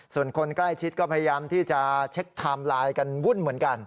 ส่วนคนใกล้ชิดก็พยายามที่จะเช็คไทม์ไลน์กันวุ่นเหมือนกัน